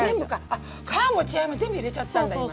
皮も血合いも全部入れちゃったんだ今の。